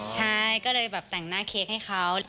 ใช่ก็เลยแบบแต่งหน้าเค้กให้เขา